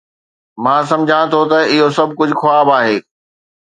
مان سمجهان ٿو ته اهو سڀ ڪجهه خواب آهي